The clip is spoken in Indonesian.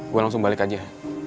gue langsung balik aja